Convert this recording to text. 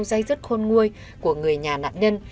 dây dứt khôn nguôi của người nhà nạn nhân